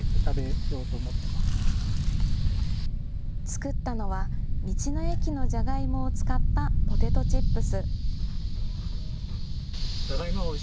作ったのは道の駅のじゃがいもを使ったポテトチップス。